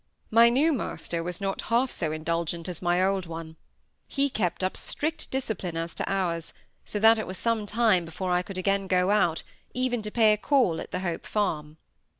My new master was not half so indulgent as my old one. He kept up strict discipline as to hours, so that it was some time before I could again go out, even to pay a call at the Hope Farm.